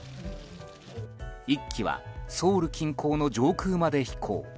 １機はソウル近郊の上空まで飛行。